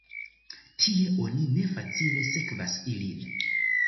Tie oni ne facile sekvas ilin.